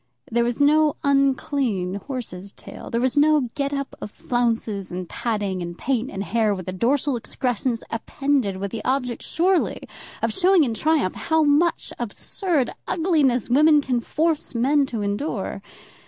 There was no unclean horse's tail. There was no get up of flounces, and padding, and paint, and hair, with a dorsal excrescence appended with the object surely of showing in triumph how much absurd ugliness women can force men to endure.